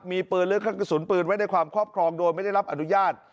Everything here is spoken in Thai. มีปืนและเครื่องกระสุนปืนไว้ในความครอบครองโดยไม่ได้รับอนุญาต